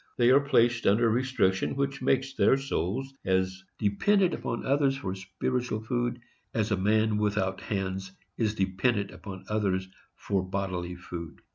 They are placed under restriction which makes their souls as dependent upon others for spiritual food as a man without hands is dependent upon others for bodily food.